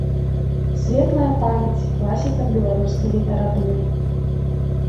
Светлая памяць класікам беларускай літаратуры.